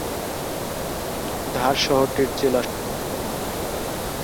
ধার শহরটির জেলা সদর।